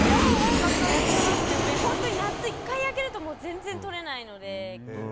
本当に夏、１回焼けると全然取れないので。